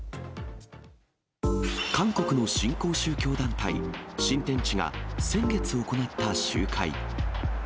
韓国の新興宗教団体、新天地が、先月行った集会。